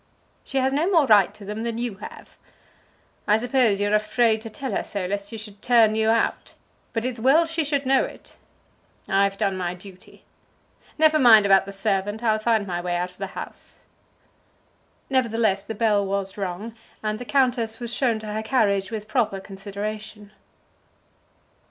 "She has no more right to them than you have. I suppose you're afraid to tell her so, lest she should turn you out; but it's well she should know it. I've done my duty. Never mind about the servant. I'll find my way out of the house." Nevertheless the bell was rung, and the countess was shown to her carriage with proper consideration.